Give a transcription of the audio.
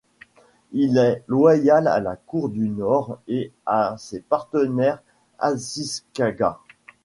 Il est loyal à la Cour du Nord et à ses partisans Ashikaga.